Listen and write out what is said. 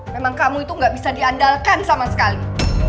memang kamu itu nggak bisa diandalkan sama sekali